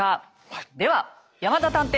では山田探偵